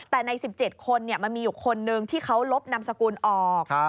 แต่ใน๑๗คนมันมีอยู่คนนึงที่เขาลบนามสกุลออก